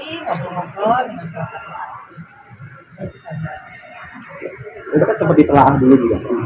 lpsk menawarkan nah pertimbangannya lpsk itu menawarkan perlindungan kepada saksi